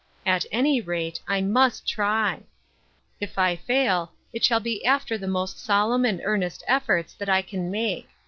At any rate, I mu%t try. If I fail, it shall be after the most solemn and earn est efforts that I can make.